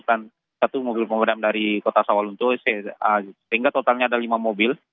dan satu mobil pemadam dari kota sawaluntul sehingga totalnya ada lima mobil